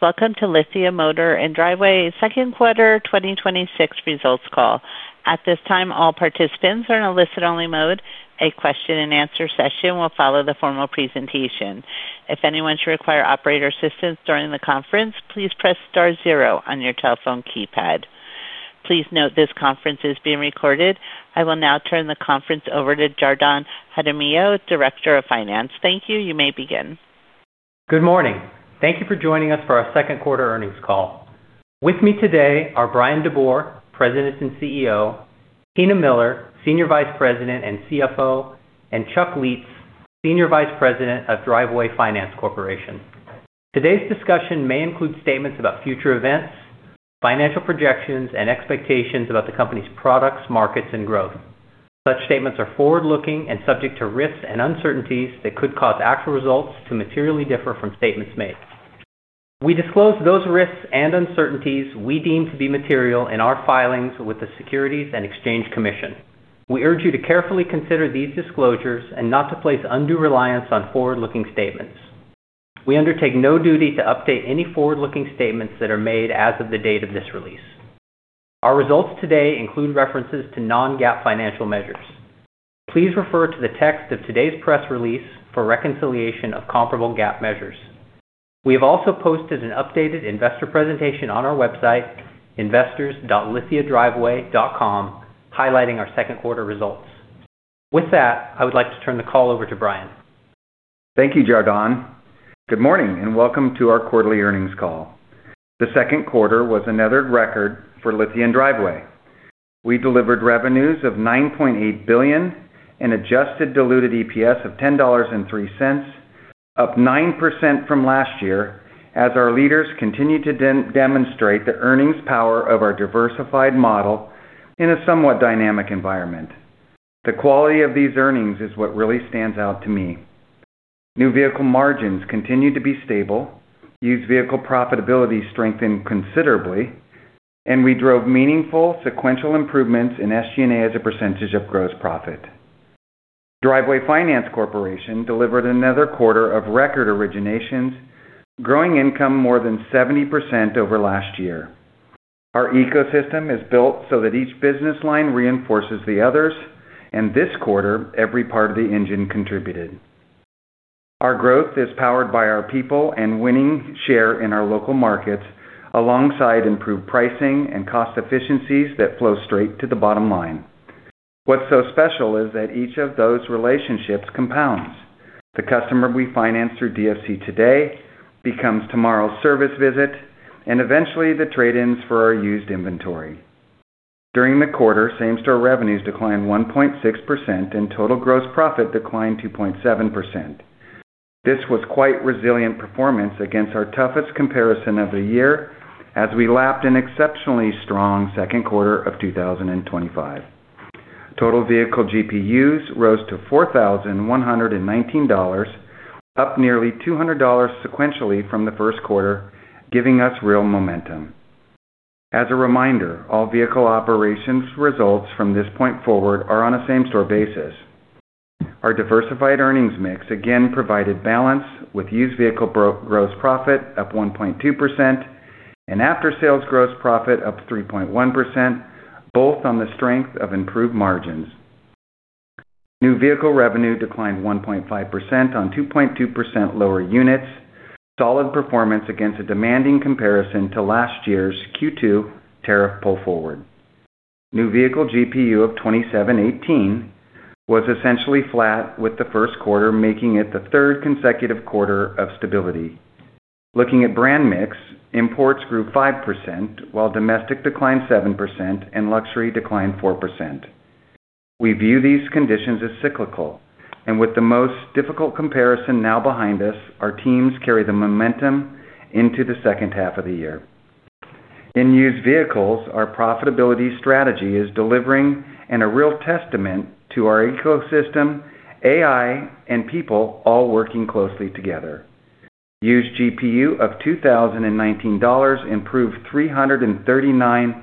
Welcome to Lithia Motors and Driveway second quarter 2026 results call. At this time, all participants are in a listen only mode. A question-and-answer session will follow the formal presentation. If anyone should require operator assistance during the conference, please press star zero on your telephone keypad. Please note this conference is being recorded. I will now turn the conference over to Jardon Jaramillo, Director of Finance. Thank you. You may begin. Good morning. Thank you for joining us for our second quarter earnings call. With me today are Bryan DeBoer, President and CEO, Tina Miller, Senior Vice President and CFO, and Chuck Lietz, Senior Vice President of Driveway Finance Corporation. Today's discussion may include statements about future events, financial projections, and expectations about the company's products, markets, and growth. Such statements are forward-looking and subject to risks and uncertainties that could cause actual results to materially differ from statements made. We disclose those risks and uncertainties we deem to be material in our filings with the Securities and Exchange Commission. We urge you to carefully consider these disclosures and not to place undue reliance on forward-looking statements. We undertake no duty to update any forward-looking statements that are made as of the date of this release. Our results today include references to non-GAAP financial measures. Please refer to the text of today's press release for reconciliation of comparable GAAP measures. We have also posted an updated investor presentation on our website, investors.lithiadriveway.com, highlighting our second quarter results. With that, I would like to turn the call over to Bryan. Thank you, Jardon. Good morning, and welcome to our quarterly earnings call. The second quarter was another record for Lithia and Driveway. We delivered revenues of $9.8 billion and adjusted diluted EPS of $10.03, up 9% from last year, as our leaders continue to demonstrate the earnings power of our diversified model in a somewhat dynamic environment. The quality of these earnings is what really stands out to me. New vehicle margins continue to be stable, used vehicle profitability strengthened considerably, and we drove meaningful sequential improvements in SG&A as a percentage of gross profit. Driveway Finance Corporation delivered another quarter of record originations, growing income more than 70% over last year. Our ecosystem is built so that each business line reinforces the others, and this quarter, every part of the engine contributed. Our growth is powered by our people and winning share in our local markets alongside improved pricing and cost efficiencies that flow straight to the bottom line. What's so special is that each of those relationships compounds. The customer we finance through DFC today becomes tomorrow's service visit and eventually the trade-ins for our used inventory. During the quarter, same-store revenues declined 1.6% and total gross profit declined 2.7%. This was quite resilient performance against our toughest comparison of the year, as we lapped an exceptionally strong second quarter of 2025. Total vehicle GPUs rose to $4,119, up nearly $200 sequentially from the first quarter, giving us real momentum. As a reminder, all vehicle operations results from this point forward are on a same-store basis. Our diversified earnings mix again provided balance with used vehicle gross profit up 1.2% and after-sales gross profit up 3.1%, both on the strength of improved margins. New vehicle revenue declined 1.5% on 2.2% lower units, solid performance against a demanding comparison to last year's Q2 tariff pull forward. New vehicle GPU of $2,718 was essentially flat with the first quarter, making it the third consecutive quarter of stability. Looking at brand mix, imports grew 5%, while domestic declined 7% and luxury declined 4%. We view these conditions as cyclical, and with the most difficult comparison now behind us, our teams carry the momentum into the second half of the year. In used vehicles, our profitability strategy is delivering and a real testament to our ecosystem, AI, and people all working closely together. Used GPU of $2,019 improved $339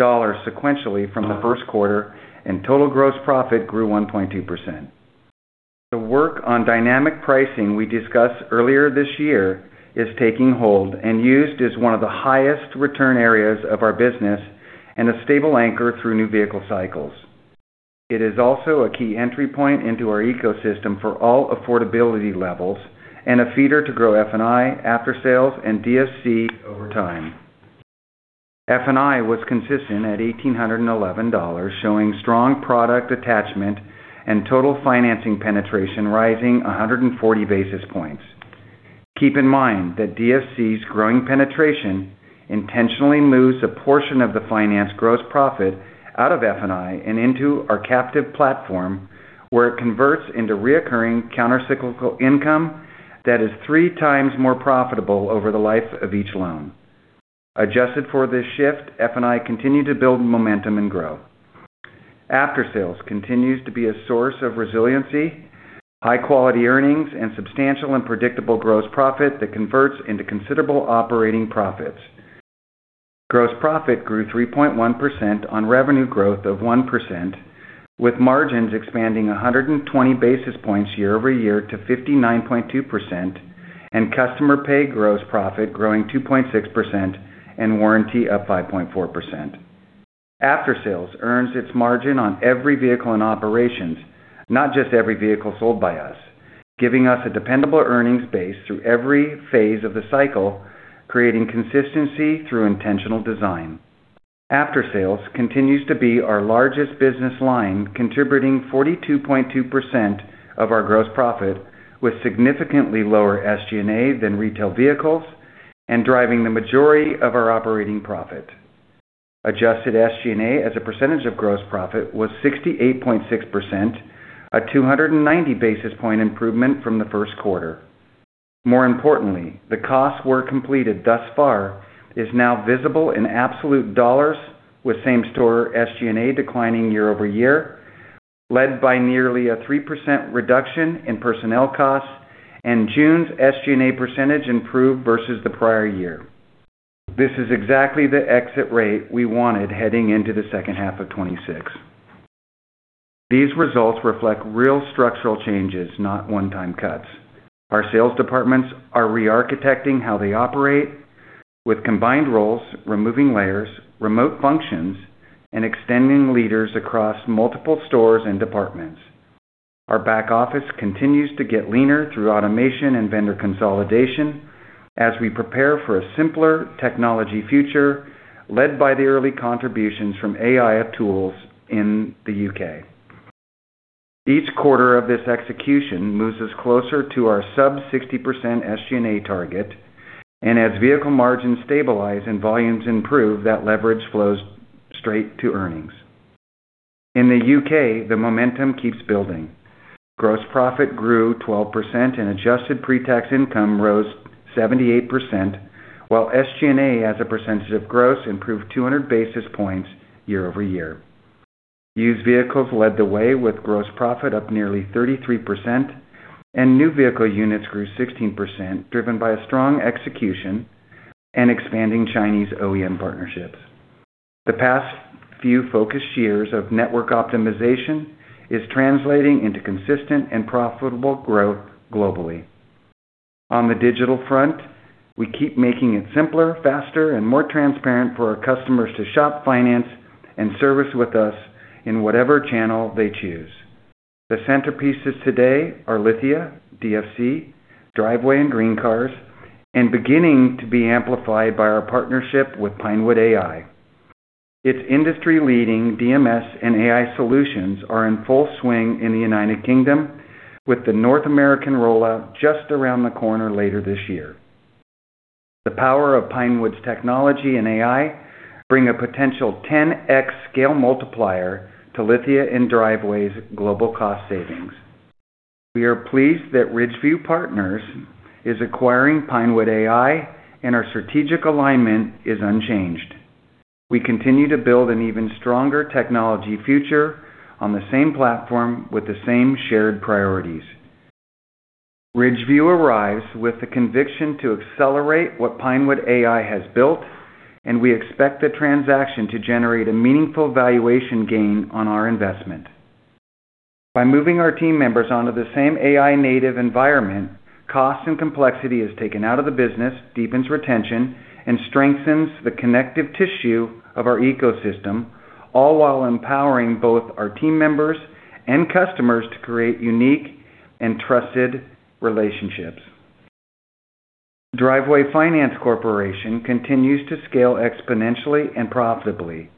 sequentially from the first quarter, and total gross profit grew 1.2%. The work on dynamic pricing we discussed earlier this year is taking hold, and used is one of the highest return areas of our business and a stable anchor through new vehicle cycles. It is also a key entry point into our ecosystem for all affordability levels and a feeder to grow F&I, after-sales, and DFC over time. F&I was consistent at $1,811, showing strong product attachment and total financing penetration rising 140 basis points. Keep in mind that DFC's growing penetration intentionally moves a portion of the finance gross profit out of F&I and into our captive platform, where it converts into reoccurring counter-cyclical income that is 3x more profitable over the life of each loan. Adjusted for this shift, F&I continued to build momentum and grow. After-sales continues to be a source of resiliency, high-quality earnings, and substantial and predictable gross profit that converts into considerable operating profits. Gross profit grew 3.1% on revenue growth of 1%, with margins expanding 120 basis points year-over-year to 59.2%, and customer pay gross profit growing 2.6% and warranty up 5.4%. After-sales earns its margin on every vehicle in operations, not just every vehicle sold by us, giving us a dependable earnings base through every phase of the cycle, creating consistency through intentional design. After-sales continues to be our largest business line, contributing 42.2% of our gross profit, with significantly lower SG&A than retail vehicles and driving the majority of our operating profit. Adjusted SG&A as a percentage of gross profit was 68.6%, a 290 basis point improvement from the first quarter. More importantly, the costs completed thus far is now visible in absolute dollars, with same-store SG&A declining year-over-year, led by nearly a 3% reduction in personnel costs and June's SG&A percentage improved versus the prior year. This is exactly the exit rate we wanted heading into the second half of 2026. These results reflect real structural changes, not one-time cuts. Our sales departments are re-architecting how they operate with combined roles, removing layers, remote functions, and extending leaders across multiple stores and departments. Our back office continues to get leaner through automation and vendor consolidation as we prepare for a simpler technology future led by the early contributions from AI tools in the U.K. Each quarter of this execution moves us closer to our sub 60% SG&A target, and as vehicle margins stabilize and volumes improve, that leverage flows straight to earnings. In the U.K., the momentum keeps building. Gross profit grew 12% and adjusted pre-tax income rose 78%, while SG&A as a percentage of gross improved 200 basis points year-over-year. Used vehicles led the way with gross profit up nearly 33%, and new vehicle units grew 16%, driven by a strong execution and expanding Chinese OEM partnerships. The past few focused years of network optimization is translating into consistent and profitable growth globally. On the digital front, we keep making it simpler, faster and more transparent for our customers to shop, finance, and service with us in whatever channel they choose. The centerpieces today are Lithia, DFC, Driveway and GreenCars, and beginning to be amplified by our partnership with Pinewood.AI. Its industry-leading DMS and AI solutions are in full swing in the United Kingdom, with the North American rollout just around the corner later this year. The power of Pinewood's technology and AI bring a potential 10X scale multiplier to Lithia and Driveway's global cost savings. We are pleased that Ridgeview Partners is acquiring Pinewood.AI and our strategic alignment is unchanged. We continue to build an even stronger technology future on the same platform with the same shared priorities. Ridgeview arrives with the conviction to accelerate what Pinewood.AI has built, and we expect the transaction to generate a meaningful valuation gain on our investment. By moving our team members onto the same AI-native environment, cost and complexity is taken out of the business, deepens retention, and strengthens the connective tissue of our ecosystem, all while empowering both our team members and customers to create unique and trusted relationships. Driveway Finance Corporation continues to scale exponentially and profitably.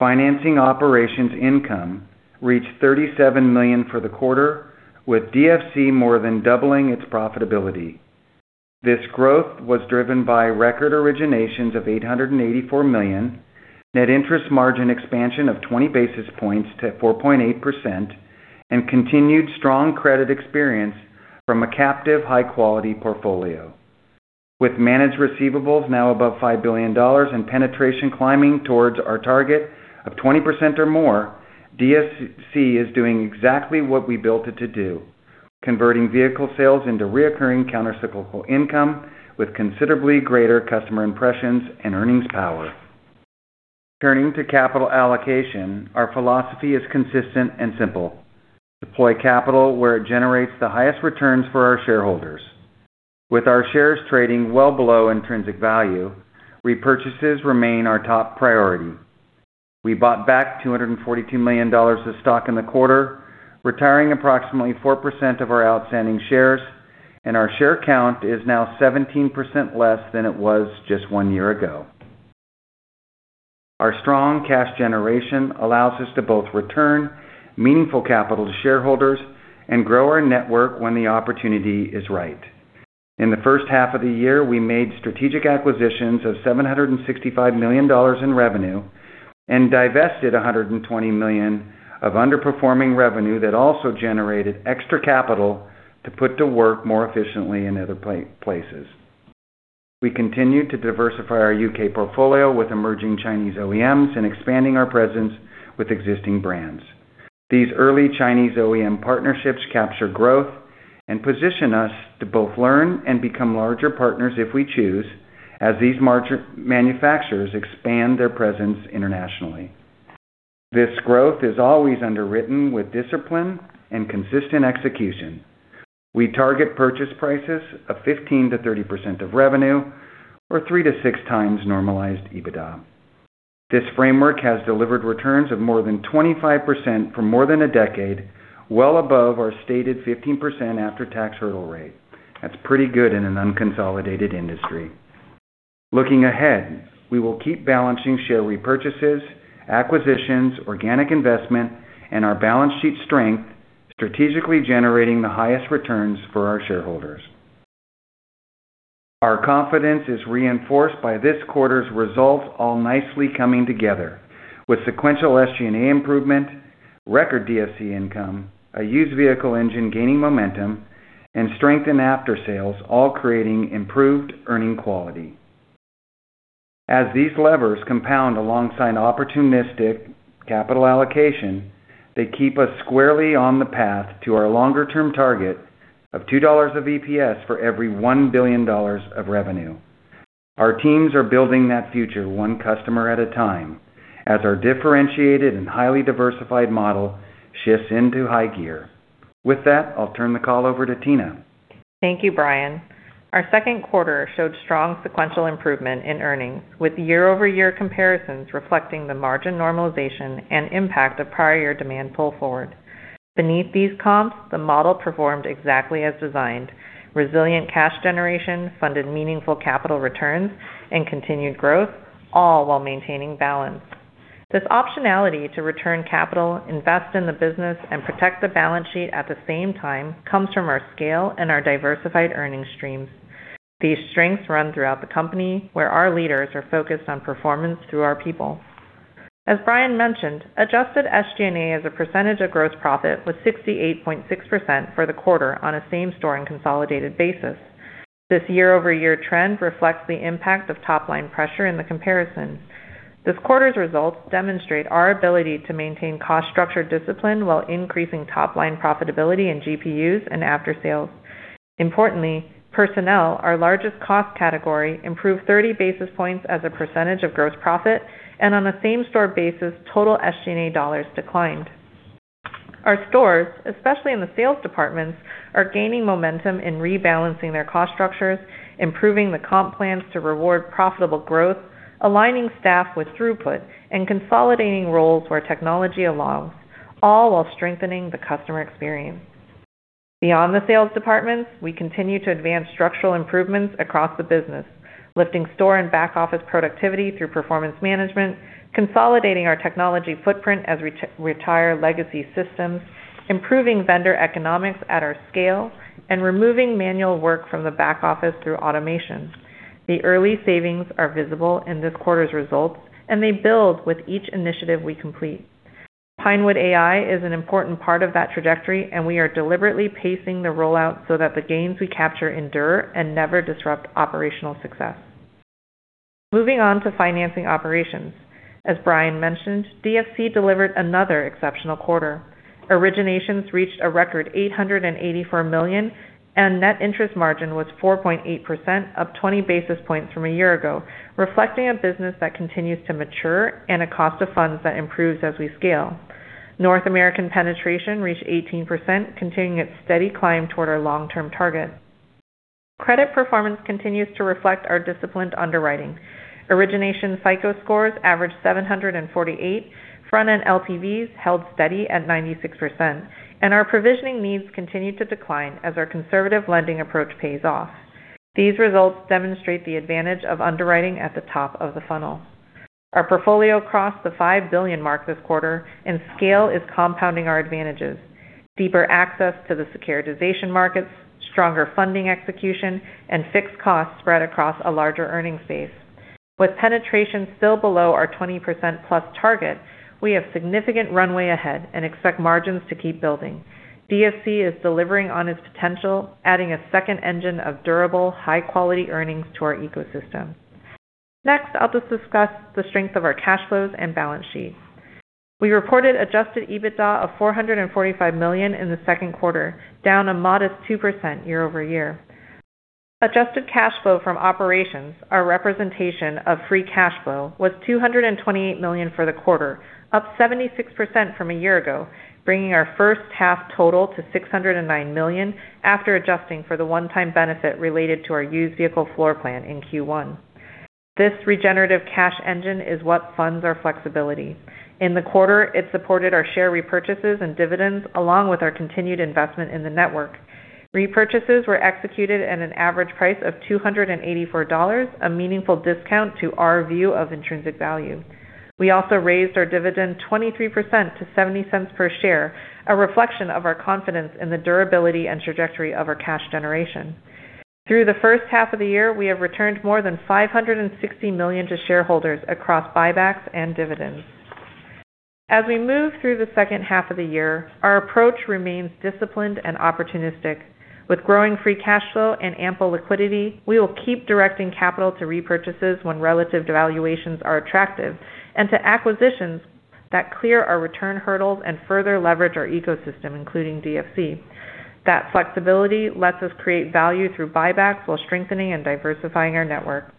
Financing operations income reached $37 million for the quarter, with DFC more than doubling its profitability. This growth was driven by record originations of $884 million, net interest margin expansion of 20 basis points to 4.8%, and continued strong credit experience from a captive, high-quality portfolio. With managed receivables now above $5 billion and penetration climbing towards our target of 20% or more, DFC is doing exactly what we built it to do, converting vehicle sales into reoccurring countercyclical income with considerably greater customer impressions and earnings power. Turning to capital allocation, our philosophy is consistent and simple. Deploy capital where it generates the highest returns for our shareholders. With our shares trading well below intrinsic value, repurchases remain our top priority. We bought back $242 million of stock in the quarter, retiring approximately 4% of our outstanding shares, and our share count is now 17% less than it was just one year ago. Our strong cash generation allows us to both return meaningful capital to shareholders and grow our network when the opportunity is right. In the first half of the year, we made strategic acquisitions of $765 million in revenue and divested $120 million of underperforming revenue that also generated extra capital to put to work more efficiently in other places. We continued to diversify our U.K. portfolio with emerging Chinese OEMs and expanding our presence with existing brands. These early Chinese OEM partnerships capture growth and position us to both learn and become larger partners if we choose, as these manufacturers expand their presence internationally. This growth is always underwritten with discipline and consistent execution. We target purchase prices of 15%-30% of revenue, or 3x-6x normalized EBITDA. This framework has delivered returns of more than 25% for more than a decade, well above our stated 15% after-tax hurdle rate. That's pretty good in an unconsolidated industry. Looking ahead, we will keep balancing share repurchases, acquisitions, organic investment and our balance sheet strength, strategically generating the highest returns for our shareholders. Our confidence is reinforced by this quarter's results all nicely coming together with sequential SG&A improvement, record DFC income, a used vehicle engine gaining momentum, and strength in after sales all creating improved earning quality. As these levers compound alongside opportunistic capital allocation, they keep us squarely on the path to our longer-term target of $2 of EPS for every $1 billion of revenue. Our teams are building that future one customer at a time as our differentiated and highly diversified model shifts into high gear. With that, I'll turn the call over to Tina. Thank you, Bryan. Our second quarter showed strong sequential improvement in earnings with year-over-year comparisons reflecting the margin normalization and impact of prior year demand pull forward. Beneath these comps, the model performed exactly as designed. Resilient cash generation funded meaningful capital returns and continued growth, all while maintaining balance. This optionality to return capital, invest in the business, and protect the balance sheet at the same time comes from our scale and our diversified earnings streams. These strengths run throughout the company, where our leaders are focused on performance through our people. As Bryan mentioned, adjusted SG&A as a percentage of gross profit was 68.6% for the quarter on a same-store and consolidated basis. This year-over-year trend reflects the impact of top-line pressure in the comparison. This quarter's results demonstrate our ability to maintain cost structure discipline while increasing top-line profitability in GPUs and after-sales. Importantly, personnel, our largest cost category, improved 30 basis points as a percentage of gross profit, and on a same-store basis, total SG&A dollars declined. Our stores, especially in the sales departments, are gaining momentum in rebalancing their cost structures, improving the comp plans to reward profitable growth, aligning staff with throughput, and consolidating roles where technology allows, all while strengthening the customer experience. Beyond the sales departments, we continue to advance structural improvements across the business, lifting store and back-office productivity through performance management, consolidating our technology footprint as we retire legacy systems, improving vendor economics at our scale, and removing manual work from the back office through automation. The early savings are visible in this quarter's results. They build with each initiative we complete. Pinewood.AI is an important part of that trajectory, we are deliberately pacing the rollout so that the gains we capture endure and never disrupt operational success. Moving on to financing operations. As Bryan mentioned, DFC delivered another exceptional quarter. Originations reached a record $884 million, and net interest margin was 4.8%, up 20 basis points from a year ago, reflecting a business that continues to mature and a cost of funds that improves as we scale. North American penetration reached 18%, continuing its steady climb toward our long-term target. Credit performance continues to reflect our disciplined underwriting. Origination FICO scores averaged 748, front-end LTVs held steady at 96%, and our provisioning needs continue to decline as our conservative lending approach pays off. These results demonstrate the advantage of underwriting at the top of the funnel. Our portfolio crossed the $5 billion mark this quarter, scale is compounding our advantages. Deeper access to the securitization markets, stronger funding execution, and fixed costs spread across a larger earning space. With penetration still below our 20%+ target, we have significant runway ahead and expect margins to keep building. DFC is delivering on its potential, adding a second engine of durable, high-quality earnings to our ecosystem. I'll just discuss the strength of our cash flows and balance sheets. We reported adjusted EBITDA of $445 million in the second quarter, down a modest 2% year-over-year. Adjusted cash flow from operations, our representation of free cash flow, was $228 million for the quarter, up 76% from a year ago, bringing our first half total to $609 million after adjusting for the one-time benefit related to our used vehicle floor plan in Q1. This regenerative cash engine is what funds our flexibility. In the quarter, it supported our share repurchases and dividends, along with our continued investment in the network. Repurchases were executed at an average price of $284, a meaningful discount to our view of intrinsic value. We also raised our dividend 23% to $0.70 per share, a reflection of our confidence in the durability and trajectory of our cash generation. Through the first half of the year, we have returned more than $560 million to shareholders across buybacks and dividends. We move through the second half of the year, our approach remains disciplined and opportunistic. With growing free cash flow and ample liquidity, we will keep directing capital to repurchases when relative valuations are attractive and to acquisitions that clear our return hurdles and further leverage our ecosystem, including DFC. That flexibility lets us create value through buybacks while strengthening and diversifying our network.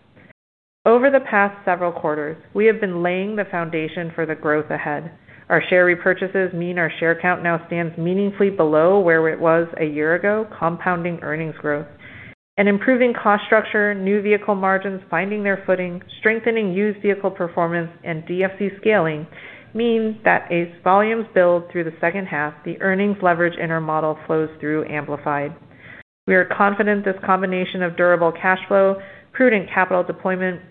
Over the past several quarters, we have been laying the foundation for the growth ahead. Our share repurchases mean our share count now stands meaningfully below where it was a year ago, compounding earnings growth. Improving cost structure, new vehicle margins, finding their footing, strengthening used vehicle performance, and DFC scaling mean that as volumes build through the second half, the earnings leverage in our model flows through amplified. We are confident this combination of durable cash flow, prudent capital deployment,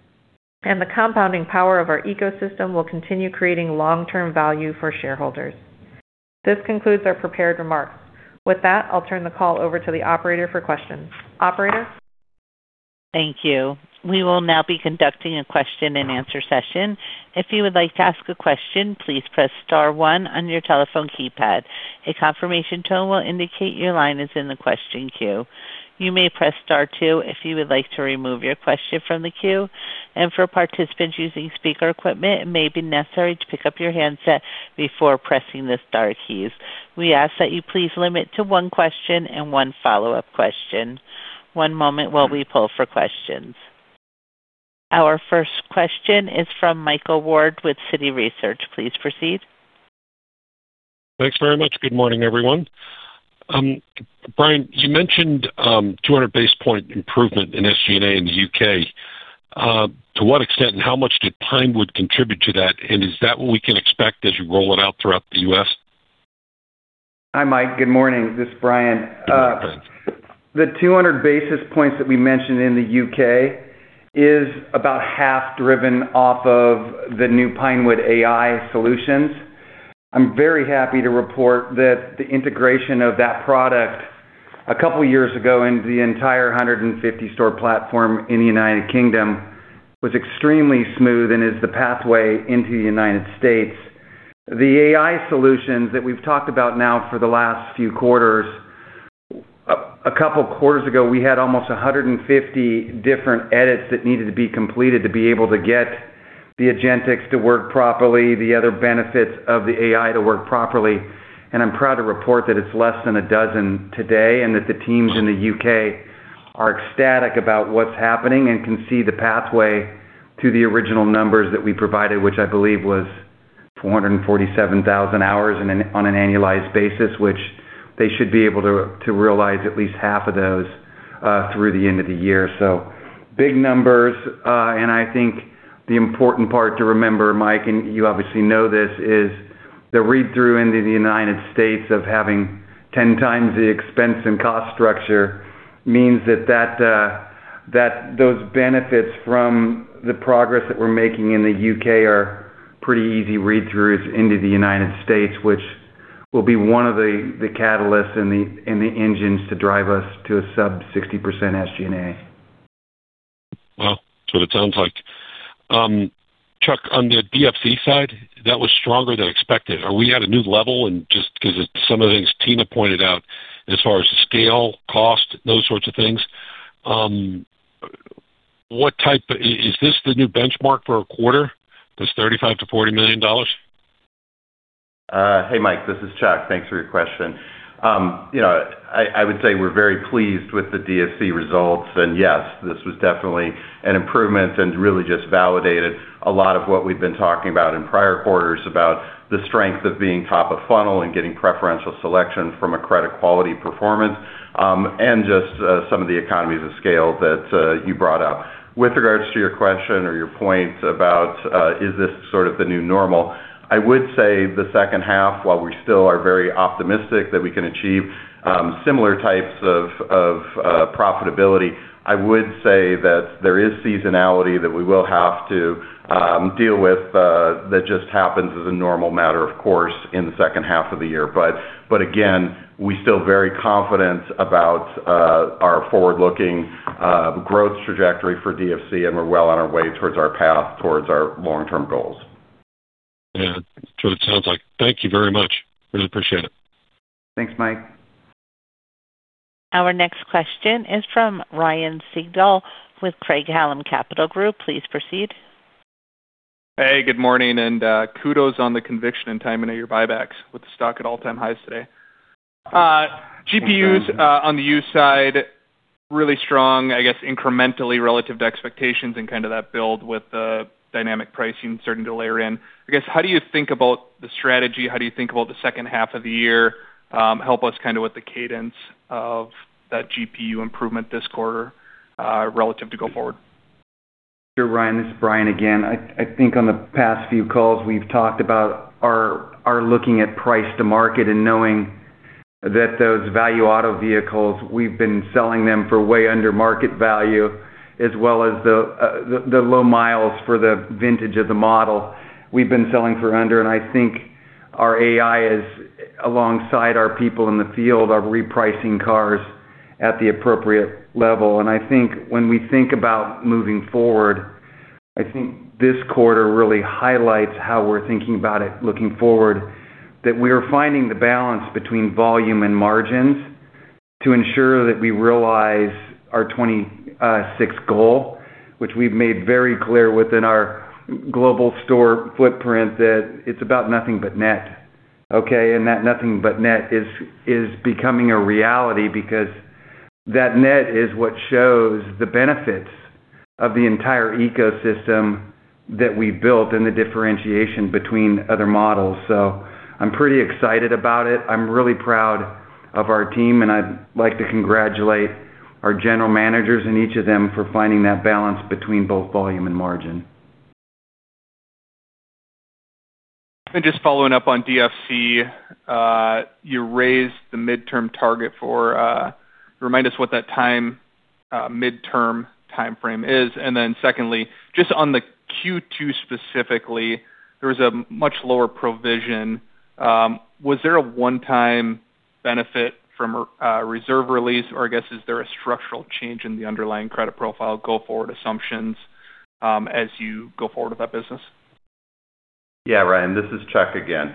and the compounding power of our ecosystem will continue creating long-term value for shareholders. This concludes our prepared remarks. With that, I'll turn the call over to the operator for questions. Operator? Thank you. We will now be conducting a question-and-answer session. If you would like to ask a question, please press star one on your telephone keypad. A confirmation tone will indicate your line is in the question queue. You may press star two if you would like to remove your question from the queue, and for participants using speaker equipment, it may be necessary to pick up your handset before pressing the star keys. We ask that you please limit to one question and one follow-up question. One moment while we pull for questions. Our first question is from Michael Ward with Citi Research. Please proceed. Thanks very much. Good morning, everyone. Bryan, you mentioned 200 basis point improvement in SG&A in the U.K. To what extent and how much did Pinewood contribute to that, and is that what we can expect as you roll it out throughout the U.S.? Hi, Mike. Good morning. This is Bryan. Good morning, Bryan. The 200 basis points that we mentioned in the U.K. is about half driven off of the new Pinewood.AI solutions. I'm very happy to report that the integration of that product a couple of years ago in the entire 150-store platform in the U.K. was extremely smooth and is the pathway into the U.S. The AI solutions that we've talked about now for the last few quarters, a couple of quarters ago, we had almost 150 different edits that needed to be completed to be able to get the agentics to work properly, the other benefits of the AI to work properly. I'm proud to report that it's less than a dozen today, and that the teams in the U.K. are ecstatic about what's happening and can see the pathway to the original numbers that we provided, which I believe was 447,000 hours on an annualized basis, which they should be able to realize at least half of those through the end of the year. Big numbers. I think the important part to remember, Mike, and you obviously know this, is the read-through into the U.S. of having 10x the expense and cost structure means that those benefits from the progress that we're making in the U.K. are pretty easy read-throughs into the U.S., which will be one of the catalysts and the engines to drive us to a sub 60% SG&A. That's what it sounds like. Chuck, on the DFC side, that was stronger than expected. Are we at a new level? Just because some of the things Tina pointed out as far as scale, cost, those sorts of things. Is this the new benchmark for a quarter, this $35 million-$40 million? Hey, Mike, this is Chuck. Thanks for your question. I would say we're very pleased with the DFC results. Yes, this was definitely an improvement and really just validated a lot of what we've been talking about in prior quarters about the strength of being top of funnel and getting preferential selection from a credit quality performance, and just some of the economies of scale that you brought up. With regards to your question or your point about, is this sort of the new normal? I would say the second half, while we still are very optimistic that we can achieve similar types of profitability, I would say that there is seasonality that we will have to deal with that just happens as a normal matter, of course, in the second half of the year. We're still very confident about our forward-looking growth trajectory for DFC, and we're well on our way towards our path towards our long-term goals. Yeah. That's what it sounds like. Thank you very much. Really appreciate it. Thanks, Mike. Our next question is from Ryan Sigdahl with Craig-Hallum Capital Group. Please proceed. Hey, good morning. Kudos on the conviction and timing of your buybacks with the stock at all-time highs today. Thank you. GPUs on the used side, really strong, I guess, incrementally relative to expectations and kind of that build with the dynamic pricing starting to layer in. I guess, how do you think about the strategy? How do you think about the second half of the year? Help us kind of with the cadence of that GPU improvement this quarter, relative to go forward. Sure, Ryan. This is Bryan again. I think on the past few calls we've talked about are looking at price to market and knowing that those Value Auto vehicles, we've been selling them for way under market value, as well as the low miles for the vintage of the model we've been selling for under. I think our AI is, alongside our people in the field, are repricing cars at the appropriate level. I think when we think about moving forward, I think this quarter really highlights how we're thinking about it looking forward, that we are finding the balance between volume and margins to ensure that we realize our 2026 goal. We've made very clear within our global store footprint that it's about nothing but net. That nothing but net is becoming a reality because that net is what shows the benefits of the entire ecosystem that we built and the differentiation between other models. I'm pretty excited about it. I'm really proud of our team, and I'd like to congratulate our general managers and each of them for finding that balance between both volume and margin. Just following up on DFC, you raised the midterm target. Remind us what that midterm timeframe is. Secondly, just on the Q2 specifically, there was a much lower provision. Was there a one-time benefit from a reserve release, or I guess is there a structural change in the underlying credit profile go-forward assumptions as you go forward with that business? Ryan, this is Chuck again.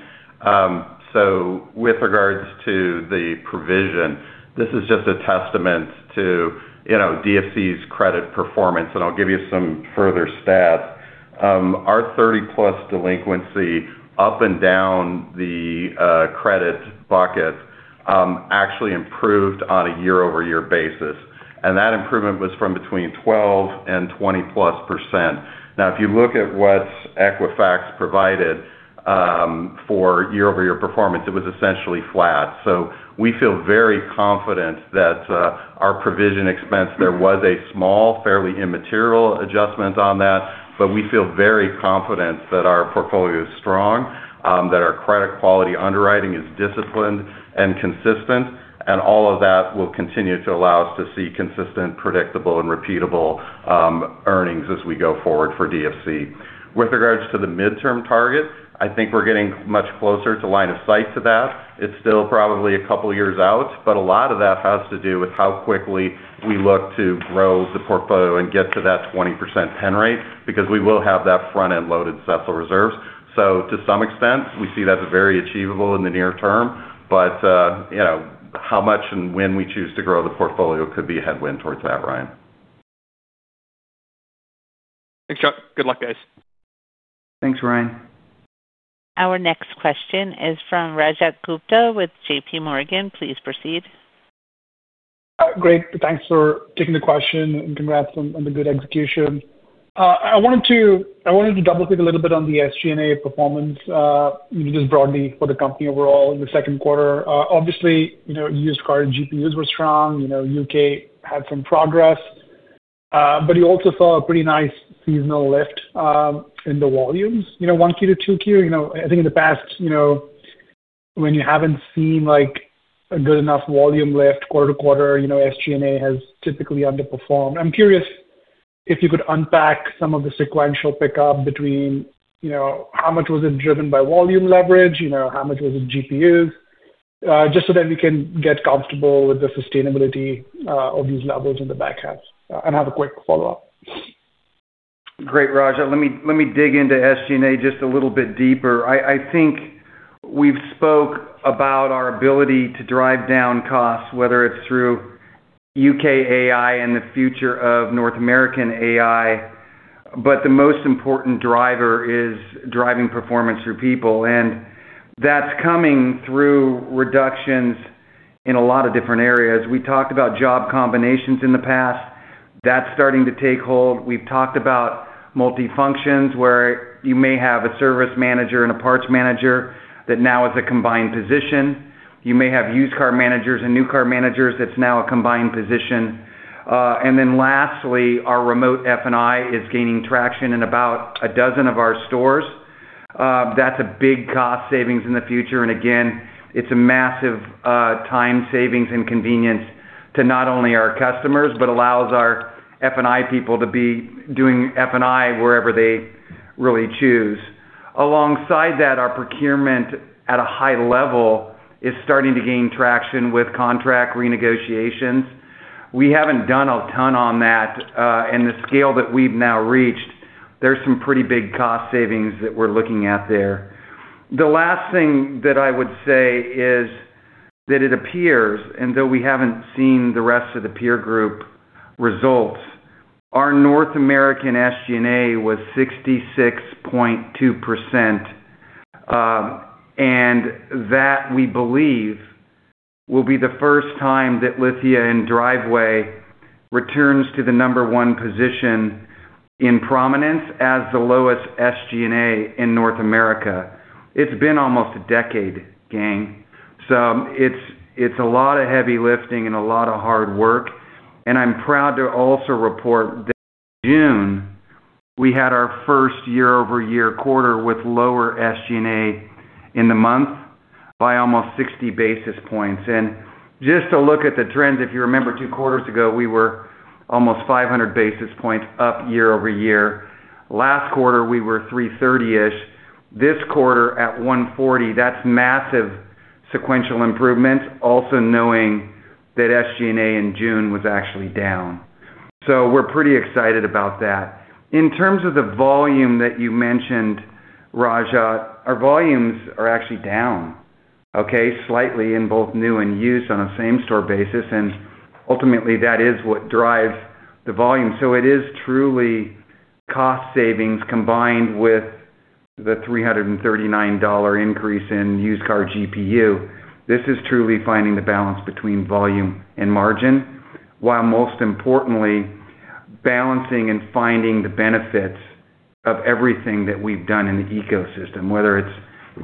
With regards to the provision, this is just a testament to DFC's credit performance, and I'll give you some further stats. Our 30+ delinquency up and down the credit bucket actually improved on a year-over-year basis, and that improvement was from between 12% and 20+%. Now, if you look at what Equifax provided for year-over-year performance, it was essentially flat. We feel very confident that our provision expense, there was a small, fairly immaterial adjustment on that, but we feel very confident that our portfolio is strong, that our credit quality underwriting is disciplined and consistent, and all of that will continue to allow us to see consistent, predictable, and repeatable earnings as we go forward for DFC. With regards to the midterm target, I think we're getting much closer to line of sight to that. It's still probably a couple of years out, but a lot of that has to do with how quickly we look to grow the portfolio and get to that 20% pen rate, because we will have that front-end loaded CECL reserves. To some extent, we see that's very achievable in the near term. How much and when we choose to grow the portfolio could be a headwind towards that, Ryan. Thanks, Chuck. Good luck, guys. Thanks, Ryan. Our next question is from Rajat Gupta with JPMorgan. Please proceed. Great. Thanks for taking the question, and congrats on the good execution. I wanted to double-click a little bit on the SG&A performance, just broadly for the company overall in the second quarter. Obviously, used car GPUs were strong, U.K. had some progress, but you also saw a pretty nice seasonal lift in the volumes. 1Q to 2Q, I think in the past, when you haven't seen a good enough volume lift quarter-to-quarter, SG&A has typically underperformed. I'm curious if you could unpack some of the sequential pickup between how much was it driven by volume leverage, how much was it GPUs? Just so that we can get comfortable with the sustainability of these levels in the back half. I have a quick follow-up. Great, Rajat. Let me dig into SG&A just a little bit deeper. I think we've spoke about our ability to drive down costs, whether it's through U.K. AI and the future of North American AI. The most important driver is driving performance through people, and that's coming through reductions in a lot of different areas. We talked about job combinations in the past. That's starting to take hold. We've talked about multifunction where you may have a service manager and a parts manager that now is a combined position. You may have used car managers and new car managers that's now a combined position. Lastly, our remote F&I is gaining traction in about a dozen of our stores. That's a big cost savings in the future. Again, it's a massive time savings and convenience to not only our customers, but allows our F&I people to be doing F&I wherever they really choose. Alongside that, our procurement at a high level is starting to gain traction with contract renegotiations. We haven't done a ton on that. In the scale that we've now reached, there's some pretty big cost savings that we're looking at there. The last thing that I would say is that it appears, and though we haven't seen the rest of the peer group results, our North American SG&A was 66.2%, and that we believe will be the first time that Lithia and Driveway returns to the number one position in prominence as the lowest SG&A in North America. It's been almost a decade, gang. It's a lot of heavy lifting and a lot of hard work. I'm proud to also report that June, we had our first year-over-year quarter with lower SG&A in the month by almost 60 basis points. Just to look at the trends, if you remember two quarters ago, we were almost 500 basis points up year-over-year. Last quarter, we were 330-ish. This quarter at 140, that's massive sequential improvement, also knowing that SG&A in June was actually down. We're pretty excited about that. In terms of the volume that you mentioned, Rajat, our volumes are actually down Okay. Slightly in both new and used on a same-store basis, ultimately that is what drives the volume. It is truly cost savings combined with the $339 increase in used car GPU. This is truly finding the balance between volume and margin, while most importantly, balancing and finding the benefits of everything that we've done in the ecosystem, whether it's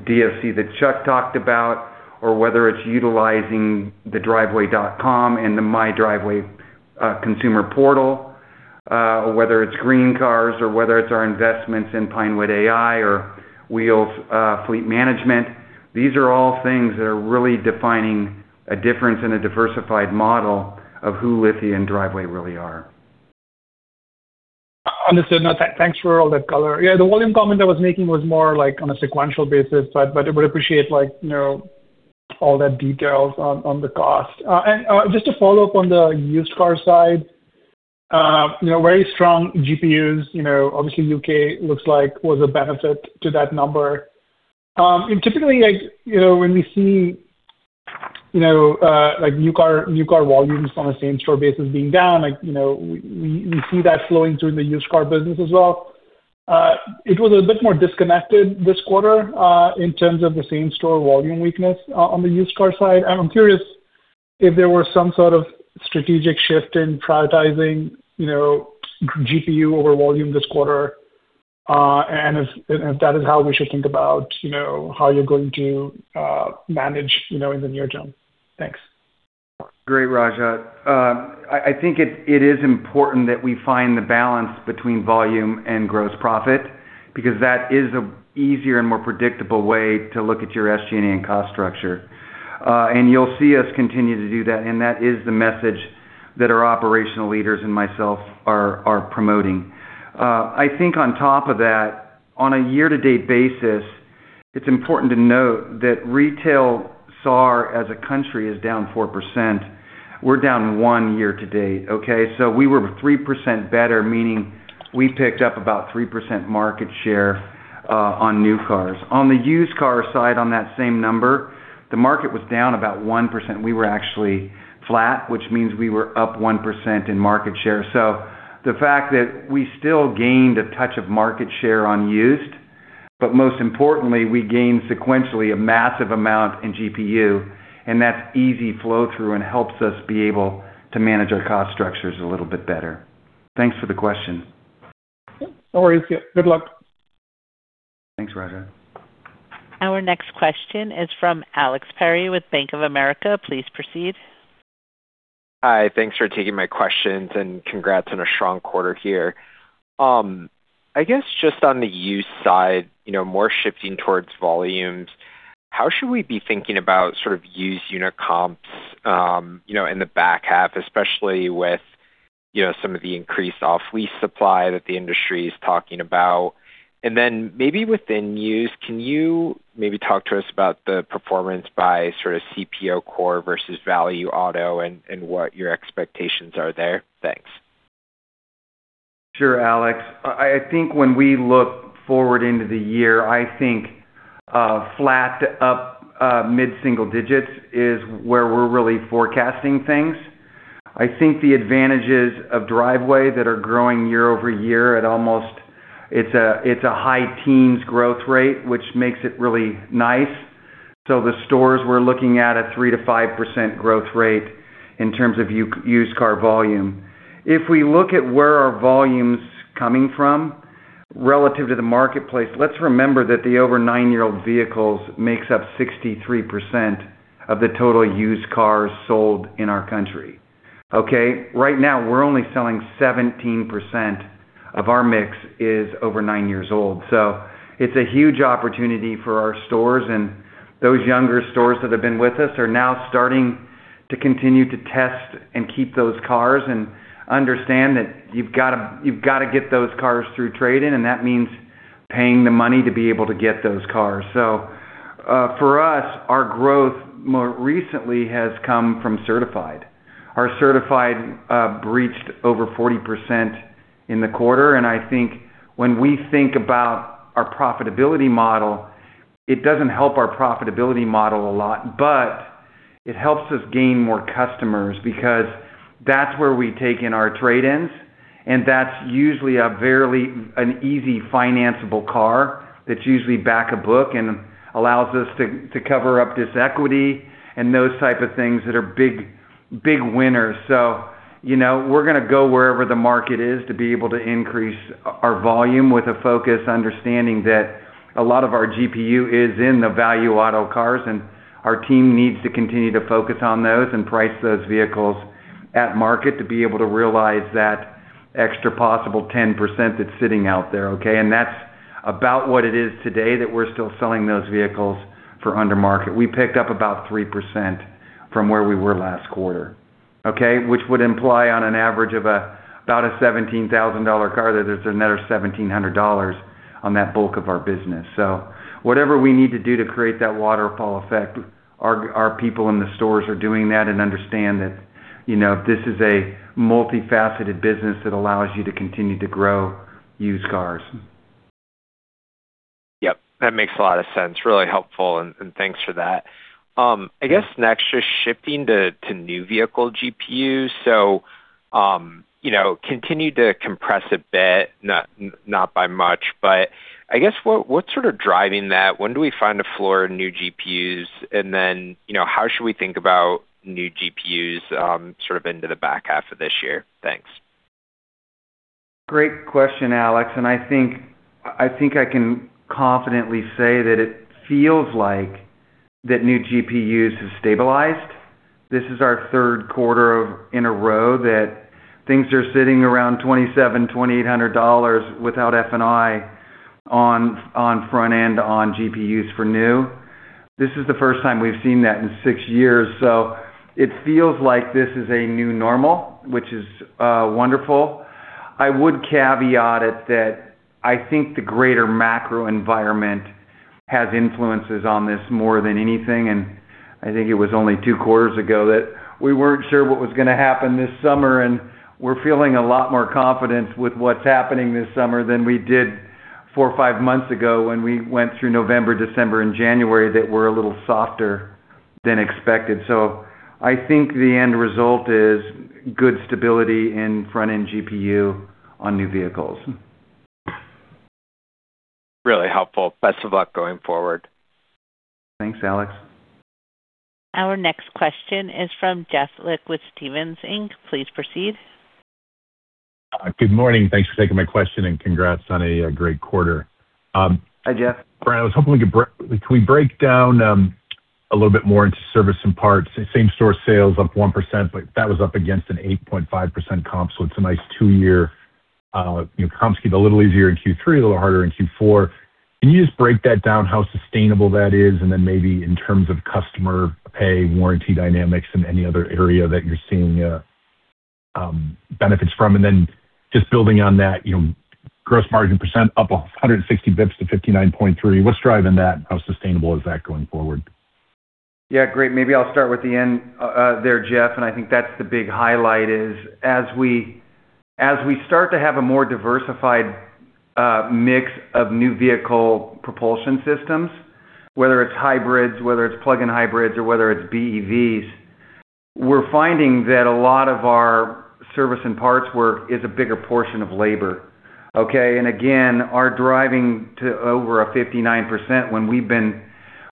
DFC that Chuck talked about or whether it's utilizing the driveway.com and the My Driveway consumer portal, whether it's GreenCars or whether it's our investments in Pinewood.AI or Wheels Fleet Management. These are all things that are really defining a difference in a diversified model of who Lithia and Driveway really are. No, thanks for all that color. Yeah, the volume comment I was making was more on a sequential basis, I would appreciate all that details on the cost. Just to follow up on the used car side. Very strong GPUs. Obviously, U.K. looks like was a benefit to that number. Typically, when we see new car volumes on a same-store basis being down, we see that flowing through the used car business as well. It was a bit more disconnected this quarter in terms of the same-store volume weakness on the used car side. I'm curious if there was some sort of strategic shift in prioritizing GPU over volume this quarter, and if that is how we should think about how you're going to manage in the near term. Thanks. Great, Rajat. I think it is important that we find the balance between volume and gross profit, because that is a easier and more predictable way to look at your SG&A cost structure. You'll see us continue to do that, and that is the message that our operational leaders and myself are promoting. I think on top of that, on a year-to-date basis, it's important to note that retail SAR as a country is down 4%. We're down one year to date. We were 3% better, meaning we picked up about 3% market share on new cars. On the used car side on that same number, the market was down about 1%. We were actually flat, which means we were up 1% in market share. The fact that we still gained a touch of market share on used, but most importantly, we gained sequentially a massive amount in GPU, and that's easy flow-through and helps us be able to manage our cost structures a little bit better. Thanks for the question. No worries. Good luck. Thanks, Rajat. Our next question is from Alex Perry with Bank of America. Please proceed. Hi, thanks for taking my questions, congrats on a strong quarter here. I guess just on the used side, more shifting towards volumes. How should we be thinking about used unit comps in the back half, especially with some of the increased off-lease supply that the industry is talking about? Maybe within used, can you maybe talk to us about the performance by CPO core versus Value Auto and what your expectations are there? Thanks. Sure, Alex. I think when we look forward into the year, I think flat up mid-single digits is where we're really forecasting things. I think the advantages of Driveway that are growing year-over-year at almost a high teens growth rate, which makes it really nice. The stores we're looking at a 3%-5% growth rate in terms of used car volume. If we look at where our volume's coming from relative to the marketplace, let's remember that the over nine-year-old vehicles makes up 63% of the total used cars sold in our country. Right now, we're only selling 17% of our mix is over nine years old. It's a huge opportunity for our stores, those younger stores that have been with us are now starting to continue to test and keep those cars and understand that you've got to get those cars through trade-in, that means paying the money to be able to get those cars. For us, our growth more recently has come from certified. Our certified breached over 40% in the quarter. I think when we think about our profitability model, it doesn't help our profitability model a lot, but it helps us gain more customers because that's where we take in our trade-ins, that's usually a very easy financeable car that's usually back a book and allows us to cover up this equity and those type of things that are big winners. We're going to go wherever the market is to be able to increase our volume with a focus understanding that a lot of our GPU is in the Value Auto cars and our team needs to continue to focus on those and price those vehicles at market to be able to realize that extra possible 10% that's sitting out there. That's about what it is today that we're still selling those vehicles for under market. We picked up about 3% from where we were last quarter. Which would imply on an average of about a $17,000 car that there's another $1,700 on that bulk of our business. Whatever we need to do to create that waterfall effect, our people in the stores are doing that and understand that this is a multifaceted business that allows you to continue to grow used cars. Yep, that makes a lot of sense. Really helpful. Thanks for that. I guess next, just shifting to new vehicle GPUs. Continue to compress a bit, not by much, but I guess what's sort of driving that? When do we find a floor in new GPUs? How should we think about new GPUs sort of into the back half of this year? Thanks. Great question, Alex. I think I can confidently say that it feels like that new GPUs has stabilized. This is our third quarter in a row that things are sitting around $2,700, $2,800 without F&I on front end on GPUs for new. This is the first time we've seen that in six years, it feels like this is a new normal, which is wonderful. I would caveat it that I think the greater macro environment has influences on this more than anything. I think it was only two quarters ago that we weren't sure what was going to happen this summer, we're feeling a lot more confidence with what's happening this summer than we did four or five months ago when we went through November, December, and January that were a little softer than expected. I think the end result is good stability in front-end GPU on new vehicles. Really helpful. Best of luck going forward. Thanks, Alex. Our next question is from Jeff Lick with Stephens Inc. Please proceed. Good morning. Thanks for taking my question, and congrats on a great quarter. Hi, Jeff. Bryan, I was hoping we could break down a little bit more into service and parts. Same store sales up 1%, but that was up against an 8.5% comp, so it's a nice two year comp scheme. A little easier in Q3, a little harder in Q4. Can you just break that down, how sustainable that is? Then maybe in terms of customer pay, warranty dynamics, and any other area that you're seeing benefits from. Then just building on that, gross margin percent up 160 basis points to 59.3%. What's driving that? How sustainable is that going forward? Yeah, great. Maybe I'll start with the end there, Jeff, and I think that's the big highlight is as we start to have a more diversified mix of new vehicle propulsion systems, whether it's hybrids, whether it's plug-in hybrids, or whether it's BEVs, we're finding that a lot of our service and parts work is a bigger portion of labor. Okay? Again, our driving to over a 59%, when we've been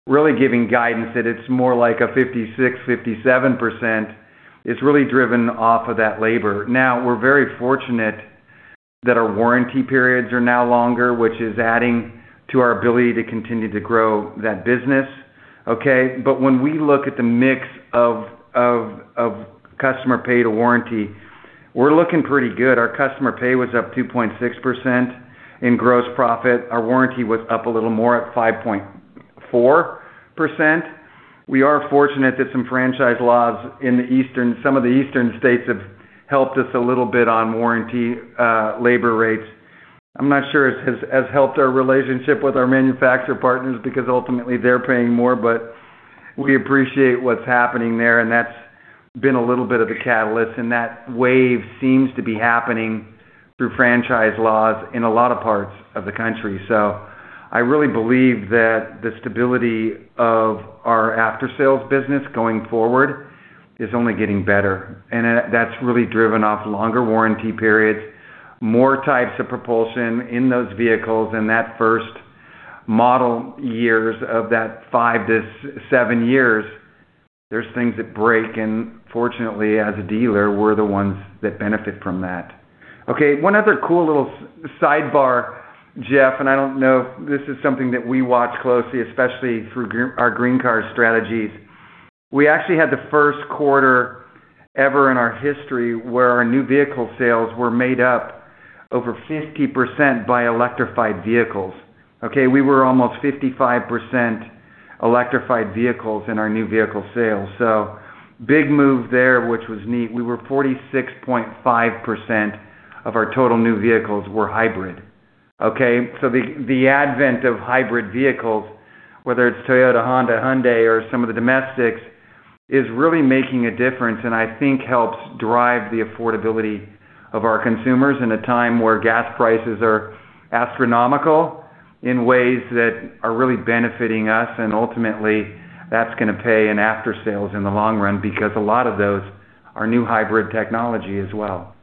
really giving guidance that it's more like a 56%, 57%, is really driven off of that labor. Now, we're very fortunate that our warranty periods are now longer, which is adding to our ability to continue to grow that business. Okay? When we look at the mix of customer pay to warranty, we're looking pretty good. Our customer pay was up 2.6% in gross profit. Our warranty was up a little more at 5.4%. We are fortunate that some franchise laws in some of the eastern states have helped us a little bit on warranty labor rates. I'm not sure it has helped our relationship with our manufacturer partners, because ultimately they're paying more, but we appreciate what's happening there, and that's been a little bit of a catalyst, and that wave seems to be happening through franchise laws in a lot of parts of the country. I really believe that the stability of our after-sales business going forward is only getting better. That's really driven off longer warranty periods, more types of propulsion in those vehicles, and that first model years of that five to seven years, there's things that break, and fortunately, as a dealer, we're the ones that benefit from that. Okay, one other cool little sidebar, Jeff, and I don't know if this is something that we watch closely, especially through our GreenCars strategies. We actually had the first quarter ever in our history where our new vehicle sales were made up over 50% by electrified vehicles. Okay? We were almost 55% electrified vehicles in our new vehicle sales. Big move there, which was neat. We were 46.5% of our total new vehicles were hybrid. Okay? The advent of hybrid vehicles, whether it's Toyota, Honda, Hyundai, or some of the domestics, is really making a difference, and I think helps drive the affordability of our consumers in a time where gas prices are astronomical in ways that are really benefiting us, and ultimately that's going to pay in after sales in the long run because a lot of those are new hybrid technology as well.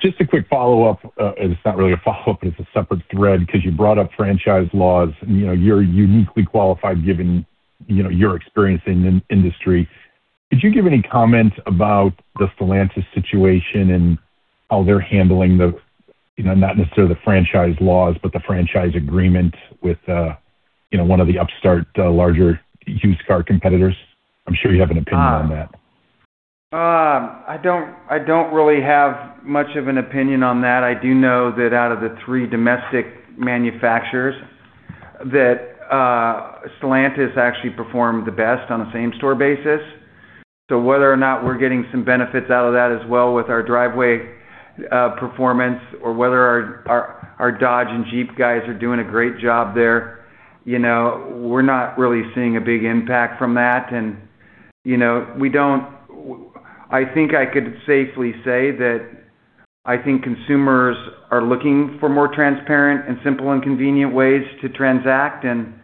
Just a quick follow-up. It's not really a follow-up, it's a separate thread because you brought up franchise laws and you're uniquely qualified given your experience in the industry. Could you give any comment about the Stellantis situation and how they're handling the, not necessarily the franchise laws, but the franchise agreement with one of the upstart larger used car competitors? I'm sure you have an opinion on that. I don't really have much of an opinion on that. I do know that out of the three domestic manufacturers, that Stellantis actually performed the best on a same store basis. Whether or not we're getting some benefits out of that as well with our Driveway performance or whether our Dodge and Jeep guys are doing a great job there, we're not really seeing a big impact from that. I think I could safely say that I think consumers are looking for more transparent and simple and convenient ways to transact, and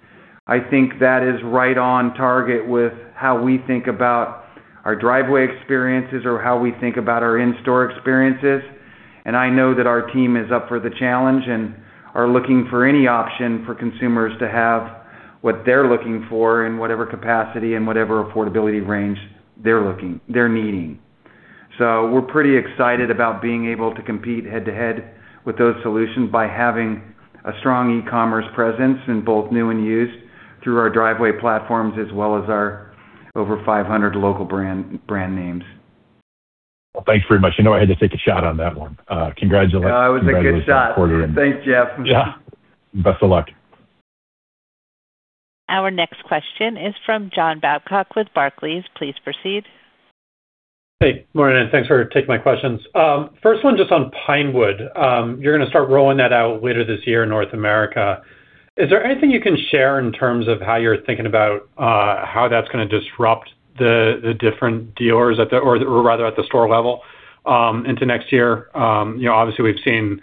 I think that is right on target with how we think about our Driveway experiences or how we think about our in-store experiences. I know that our team is up for the challenge and are looking for any option for consumers to have what they're looking for in whatever capacity and whatever affordability range they're needing. We're pretty excited about being able to compete head-to-head with those solutions by having a strong e-commerce presence in both new and used through our Driveway platforms, as well as our over 500 local brand names. Well, thanks very much. You know I had to take a shot on that one. Congratulations on a great quarter. No, it was a good shot. Thanks, Jeff. Yeah. Best of luck. Our next question is from John Babcock with Barclays. Please proceed. Hey, good morning, and thanks for taking my questions. First one just on Pinewood. You're going to start rolling that out later this year in North America. Is there anything you can share in terms of how you're thinking about how that's going to disrupt the different dealers, or rather at the store level, into next year? Obviously, we've seen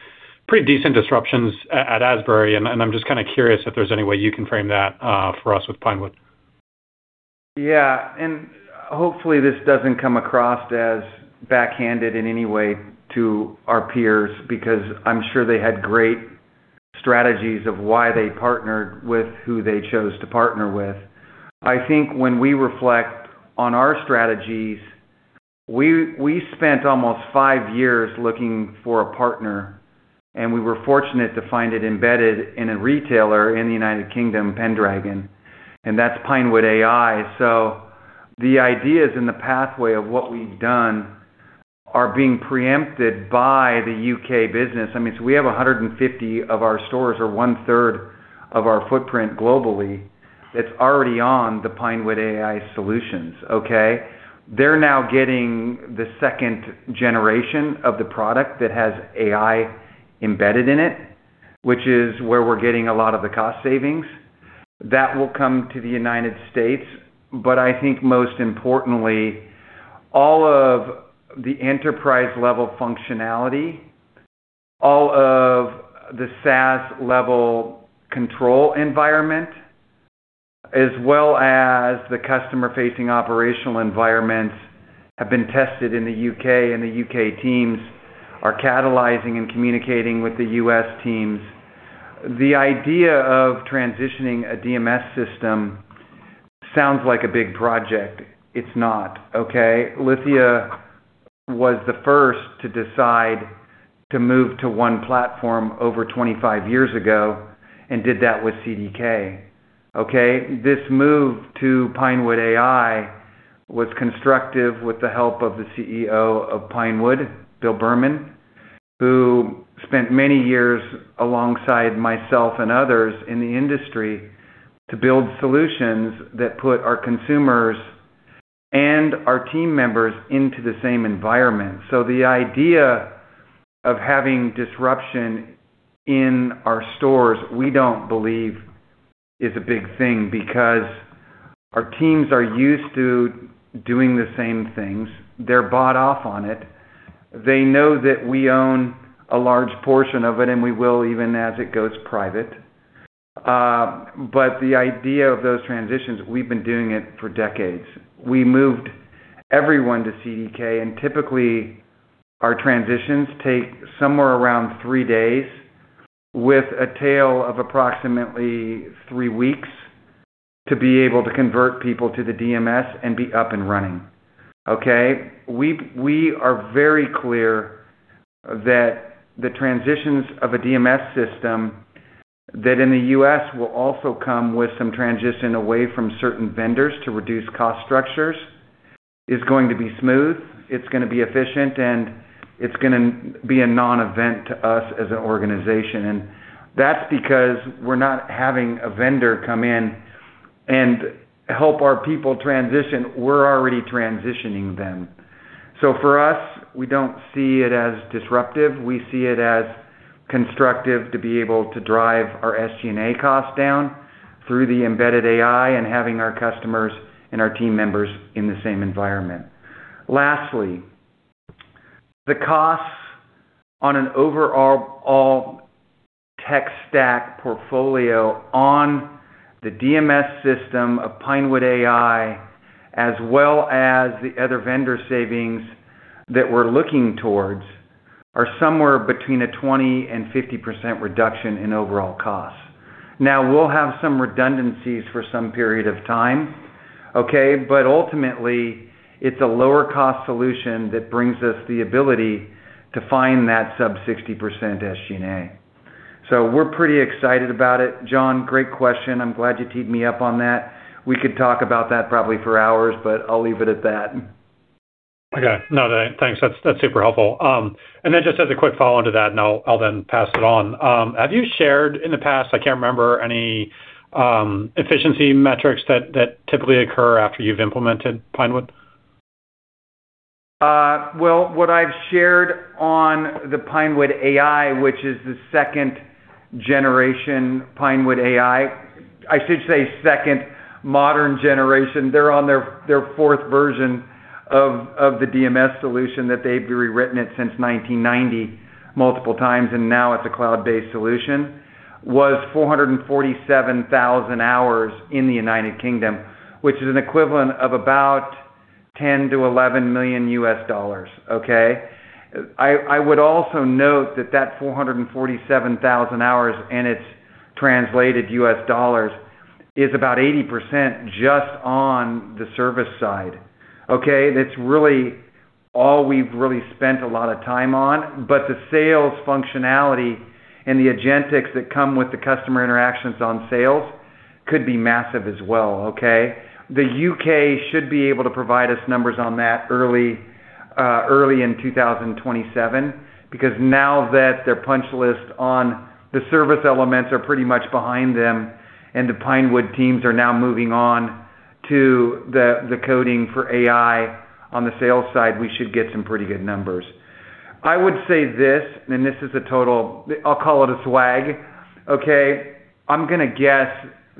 pretty decent disruptions at Asbury, and I'm just kind of curious if there's any way you can frame that for us with Pinewood. Yeah. Hopefully this doesn't come across as backhanded in any way to our peers, because I'm sure they had great strategies of why they partnered with who they chose to partner with. I think when we reflect on our strategies, we spent almost five years looking for a partner. We were fortunate to find it embedded in a retailer in the U.K., Pendragon, and that's Pinewood.AI. The ideas and the pathway of what we've done are being preempted by the U.K. business. We have 150 of our stores, or one-third of our footprint globally, that's already on the Pinewood.AI solutions. Okay? They're now getting the second generation of the product that has AI embedded in it, which is where we're getting a lot of the cost savings. That will come to the U.S. I think most importantly, all of the enterprise level functionality, all of the SaaS level control environment, as well as the customer-facing operational environments have been tested in the U.K., and the U.K. teams are catalyzing and communicating with the U.S. teams. The idea of transitioning a DMS system sounds like a big project. It's not, okay? Lithia was the first to decide to move to one platform over 25 years ago and did that with CDK. Okay? This move to Pinewood.AI was constructive with the help of the CEO of Pinewood, Bill Berman, who spent many years alongside myself and others in the industry to build solutions that put our consumers and our team members into the same environment. The idea of having disruption in our stores, we don't believe is a big thing because our teams are used to doing the same things. They're bought off on it. They know that we own a large portion of it, and we will even as it goes private. The idea of those transitions, we've been doing it for decades. We moved everyone to CDK, and typically our transitions take somewhere around three days, with a tail of approximately three weeks to be able to convert people to the DMS and be up and running. Okay. We are very clear that the transitions of a DMS system that in the U.S. will also come with some transition away from certain vendors to reduce cost structures, is going to be smooth, it's going to be efficient, and it's going to be a non-event to us as an organization. That's because we're not having a vendor come in and help our people transition. We're already transitioning them. For us, we don't see it as disruptive. We see it as constructive to be able to drive our SG&A cost down through the embedded AI and having our customers and our team members in the same environment. Lastly, the costs on an overall tech stack portfolio on the DMS system of Pinewood.AI, as well as the other vendor savings that we're looking towards, are somewhere between a 20%-50% reduction in overall costs. We'll have some redundancies for some period of time, okay. Ultimately, it's a lower cost solution that brings us the ability to find that sub 60% SG&A. We're pretty excited about it. John, great question. I'm glad you teed me up on that. We could talk about that probably for hours, I'll leave it at that. Okay. No, thanks. That's super helpful. Just as a quick follow-on to that, I'll then pass it on. Have you shared in the past, I can't remember any efficiency metrics that typically occur after you've implemented Pinewood? Well, what I've shared on the Pinewood.AI, which is the second-generation Pinewood.AI, I should say second modern-generation. They're on their fourth version of the DMS solution that they've rewritten it since 1990 multiple times, and now it's a cloud-based solution, was 447,000 hours in the United Kingdom, which is an equivalent of about $10 million-$11 million. Okay. I would also note that that 447,000 hours, and its translated U.S. dollars is about 80% just on the service side. Okay. That's really all we've really spent a lot of time on. The sales functionality and the agentics that come with the customer interactions on sales could be massive as well. Okay. The U.K. should be able to provide us numbers on that early in 2027, because now that their punch lists on the service elements are pretty much behind them, and the Pinewood teams are now moving on to the coding for AI on the sales side, we should get some pretty good numbers. I would say this is a total, I'll call it a swag, okay? I'm going to guess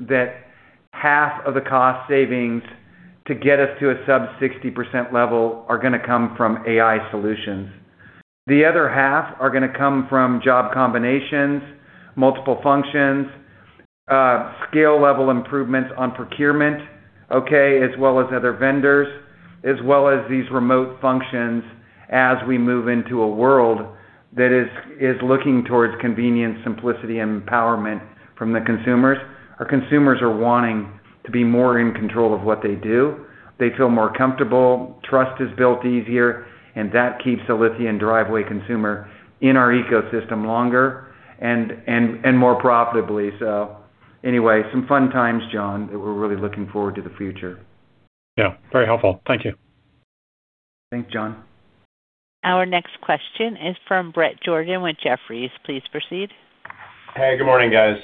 that half of the cost savings to get us to a sub 60% level are going to come from AI solutions. The other half are going to come from job combinations, multiple functions, scale level improvements on procurement, okay? As well as other vendors, as well as these remote functions as we move into a world that is looking towards convenience, simplicity and empowerment from the consumers. Our consumers are wanting to be more in control of what they do. They feel more comfortable. Trust is built easier, and that keeps a Lithia and Driveway consumer in our ecosystem longer and more profitably. Anyway, some fun times, John. We're really looking forward to the future. Yeah, very helpful. Thank you. Thanks, John. Our next question is from Bret Jordan with Jefferies. Please proceed. Hey, good morning, guys.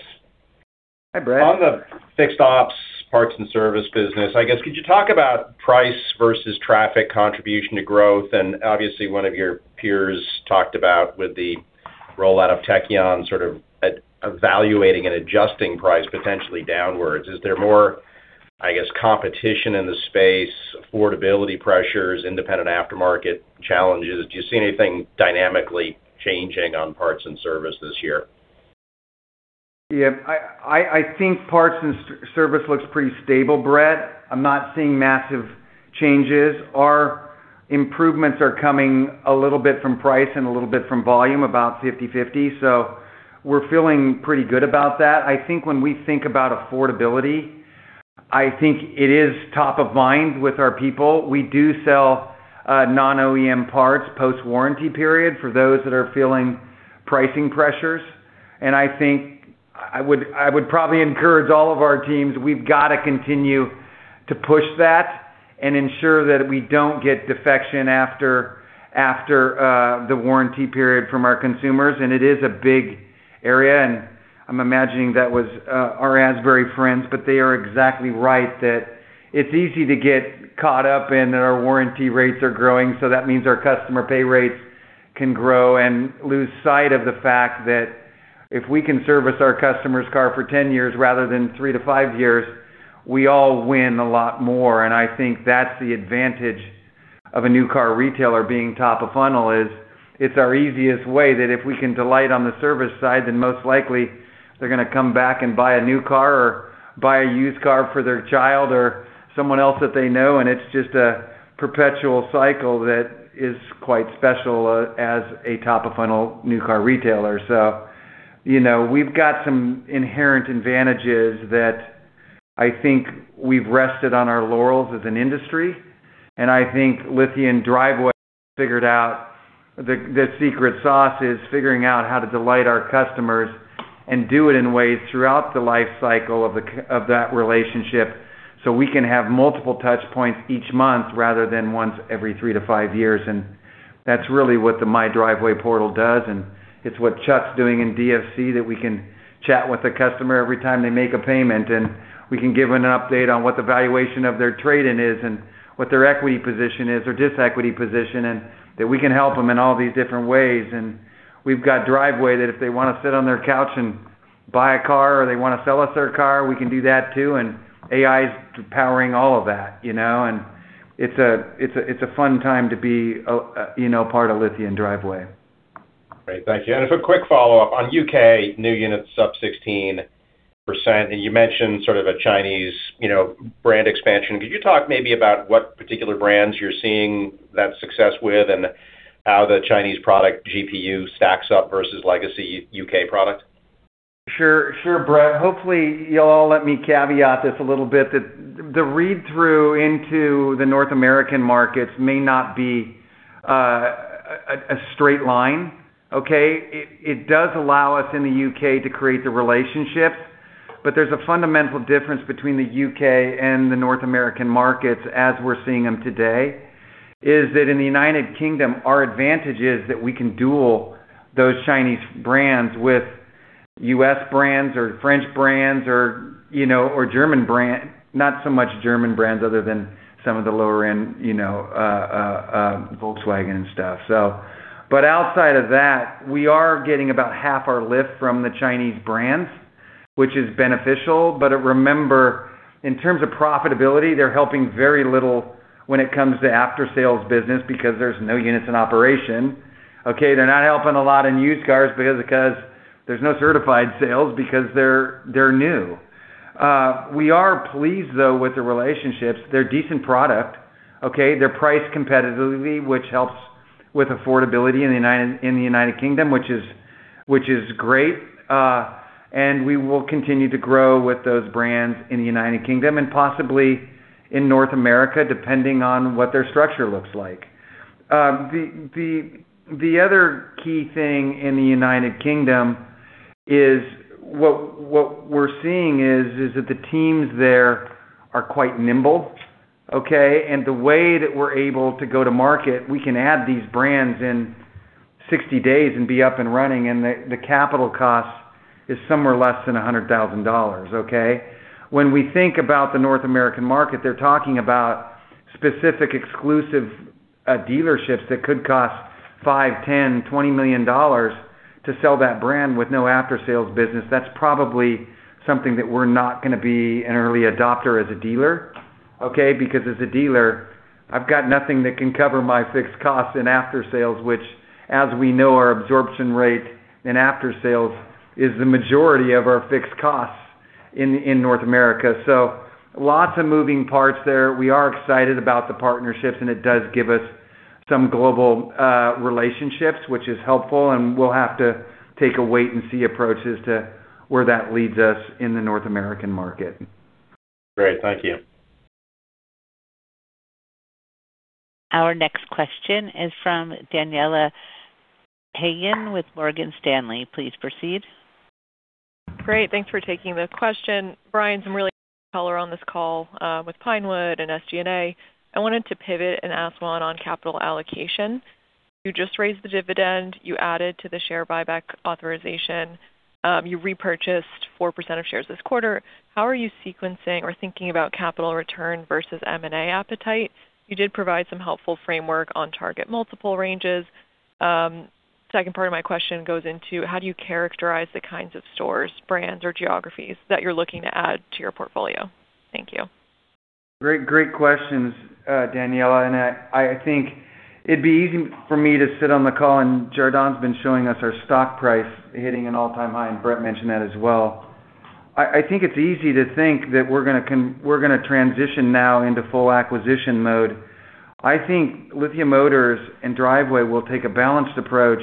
Hi, Bret. Obviously one of your peers talked about with the rollout of Tekion sort of evaluating and adjusting price potentially downwards. On the fixed ops parts and service business, I guess could you talk about price versus traffic contribution to growth? Is there more, I guess, competition in the space, affordability pressures, independent aftermarket challenges? Do you see anything dynamically changing on parts and service this year? Yeah, I think parts and service looks pretty stable, Bret. I'm not seeing massive changes. Our improvements are coming a little bit from price and a little bit from volume, about 50/50. We're feeling pretty good about that. I think when we think about affordability, I think it is top of mind with our people. We do sell non-OEM parts post-warranty period for those that are feeling pricing pressures. I think I would probably encourage all of our teams, we've got to continue to push that and ensure that we don't get defection after the warranty period from our consumers. It is a big area, I'm imagining that was our Asbury friends, but they are exactly right that it's easy to get caught up in that our warranty rates are growing, that means our customer pay rates can grow and lose sight of the fact that if we can service our customer's car for 10 years rather than three to five years, we all win a lot more. I think that's the advantage of a new car retailer being top of funnel is it's our easiest way that if we can delight on the service side, then most likely they're going to come back and buy a new car or buy a used car for their child or someone else that they know. It's just a perpetual cycle that is quite special as a top of funnel new car retailer. We've got some inherent advantages that I think we've rested on our laurels as an industry. I think Lithia and Driveway figured out the secret sauce is figuring out how to delight our customers and do it in ways throughout the life cycle of that relationship so we can have multiple touch points each month rather than once every three to five years. That's really what the MyDriveway portal does, it's what Chuck's doing in DFC that we can chat with the customer every time they make a payment, we can give an update on what the valuation of their trade-in is and what their equity position is or dis-equity position, that we can help them in all these different ways. We've got Driveway that if they want to sit on their couch and buy a car or they want to sell us their car, we can do that too. AI is powering all of that. It's a fun time to be part of Lithia and Driveway. Great. Thank you. For a quick follow-up on U.K. new units up 16%, you mentioned sort of a Chinese brand expansion. Could you talk maybe about what particular brands you're seeing that success with and how the Chinese product GPU stacks up versus legacy U.K. product? Sure, Bret. Hopefully you'll all let me caveat this a little bit, that the read-through into the North American markets may not be a straight line. Okay. It does allow us in the U.K. to create the relationships, but there's a fundamental difference between the U.K. and the North American markets as we're seeing them today, is that in the United Kingdom, our advantage is that we can duel those Chinese brands with U.S. brands or French brands or German brands. Not so much German brands other than some of the lower-end, Volkswagen and stuff. Outside of that, we are getting about half our lift from the Chinese brands, which is beneficial, but remember, in terms of profitability, they're helping very little when it comes to after-sales business because there's no units in operation. Okay. They're not helping a lot in used cars because there's no certified sales because they're new. We are pleased, though, with the relationships. They're a decent product. Okay. They're priced competitively, which helps with affordability in the United Kingdom, which is great. We will continue to grow with those brands in the United Kingdom and possibly in North America, depending on what their structure looks like. The other key thing in the United Kingdom is what we're seeing is that the teams there are quite nimble. Okay. The way that we're able to go to market, we can add these brands in 60 days and be up and running, and the capital cost is somewhere less than $100,000. Okay. When we think about the North American market, they're talking about specific exclusive dealerships that could cost 5, 10, $20 million to sell that brand with no after-sales business. That's probably something that we're not going to be an early adopter as a dealer. Okay. Because as a dealer, I've got nothing that can cover my fixed costs in after-sales, which, as we know, our absorption rate in after-sales is the majority of our fixed costs in North America. Lots of moving parts there. We are excited about the partnerships, it does give us some global relationships, which is helpful, we'll have to take a wait and see approach as to where that leads us in the North American market. Great. Thank you. Our next question is from Daniela Haigian with Morgan Stanley. Please proceed. Great. Thanks for taking the question. Bryan, some really color on this call with Pinewood and SG&A. I wanted to pivot and ask one on capital allocation. You just raised the dividend. You added to the share buyback authorization. You repurchased 4% of shares this quarter. How are you sequencing or thinking about capital return versus M&A appetite? You did provide some helpful framework on target multiple ranges. Second part of my question goes into how do you characterize the kinds of stores, brands, or geographies that you're looking to add to your portfolio? Thank you. Great questions, Daniela. I think it'd be easy for me to sit on the call, Jardon's been showing us our stock price hitting an all-time high, Bret mentioned that as well. I think it's easy to think that we're going to transition now into full acquisition mode. Lithia Motors and Driveway will take a balanced approach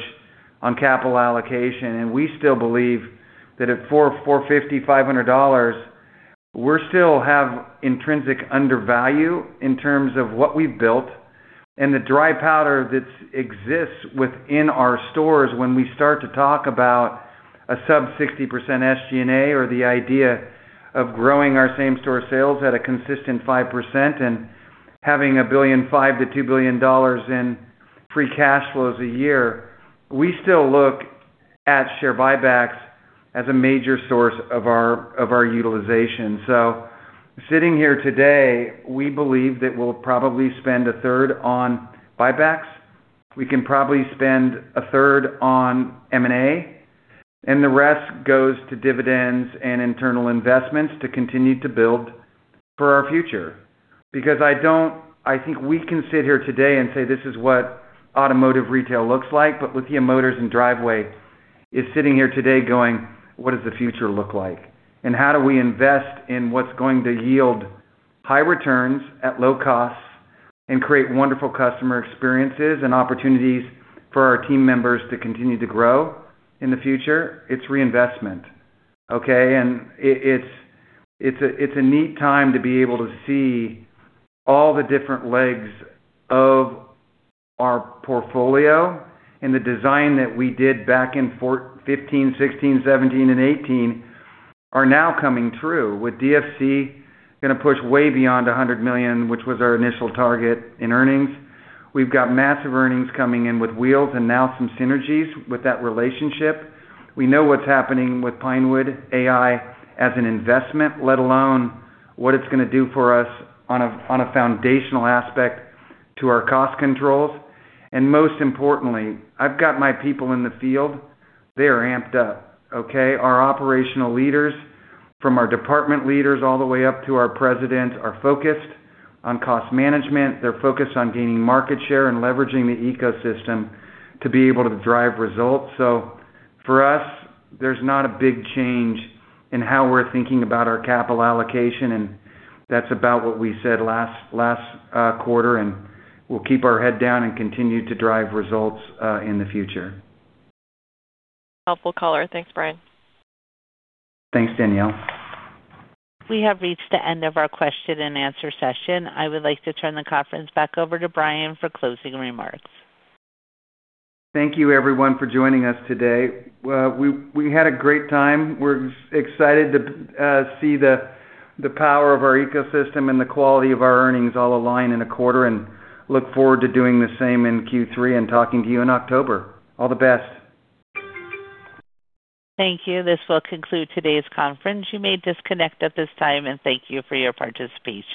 on capital allocation, We still believe that at four, $450, $500, we still have intrinsic undervalue in terms of what we've built, and the dry powder that exists within our stores when we start to talk about a sub 60% SG&A or the idea of growing our same store sales at a consistent 5% and having $1.5 billion-$2 billion in free cash flows a year. We still look at share buybacks as a major source of our utilization. Sitting here today, we believe that we'll probably spend a third on buybacks. We can probably spend a third on M&A, and the rest goes to dividends and internal investments to continue to build for our future. I think we can sit here today and say, this is what automotive retail looks like, but Lithia Motors and Driveway is sitting here today going, what does the future look like? How do we invest in what's going to yield high returns at low costs and create wonderful customer experiences and opportunities for our team members to continue to grow in the future? It's reinvestment. Okay? It's a neat time to be able to see all the different legs of our portfolio and the design that we did back in 2015, 2016, 2017, and 2018 are now coming true with DFC going to push way beyond $100 million, which was our initial target in earnings. We've got massive earnings coming in with Wheels and now some synergies with that relationship. We know what's happening with Pinewood.AI as an investment, let alone what it's going to do for us on a foundational aspect to our cost controls. Most importantly, I've got my people in the field, they are amped up. Okay? Our operational leaders, from our department leaders all the way up to our president, are focused on cost management. They're focused on gaining market share and leveraging the ecosystem to be able to drive results. For us, there's not a big change in how we're thinking about our capital allocation, and that's about what we said last quarter. We'll keep our head down and continue to drive results in the future. Helpful color. Thanks, Bryan. Thanks, Daniela. We have reached the end of our question-and-answer session. I would like to turn the conference back over to Bryan for closing remarks. Thank you everyone for joining us today. We had a great time. We're excited to see the power of our ecosystem and the quality of our earnings all align in a quarter and look forward to doing the same in Q3 and talking to you in October. All the best. Thank you. This will conclude today's conference. You may disconnect at this time, and thank you for your participation.